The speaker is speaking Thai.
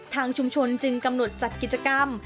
ทางชุมชนจึงกำหนดจัดกิจกรรม